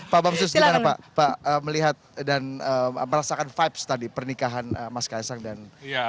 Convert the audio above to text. pak bamsus gimana pak melihat dan merasakan vibes tadi pernikahan mas kaisang dan